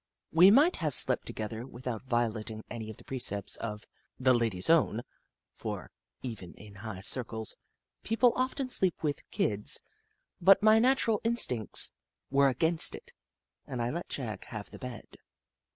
We might have slept together without violating any of the precepts of The Ladies Own, for, even in high circles, people often sleep with Kids, but my natural instincts were against it and I let Jagg have the bed.